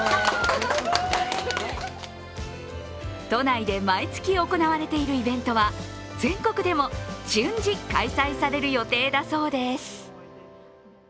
都内で毎月行われているイベントは全国でも順次開催される予定だそうです。